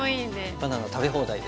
バナナ食べ放題で。